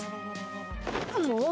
もう！